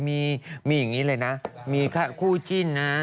มีคู่จิ้นนะ